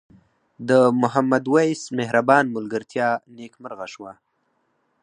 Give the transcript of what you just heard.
د محمد وېس مهربان ملګرتیا نیکمرغه شوه.